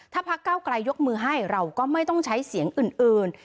ถ้าพักเก้าไกลยกมือให้เราก็ไม่ต้องใช้เสียงอื่น